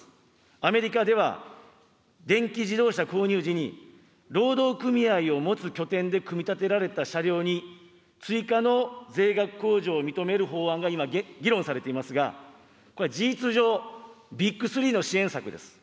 アメリカでは電気自動車購入時に、労働組合を持つ拠点で組み立てられた車両に、追加の税額控除を認める法案が今、議論されていますが、これは事実上、ビッグ３の支援策です。